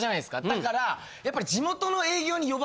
だからやっぱり。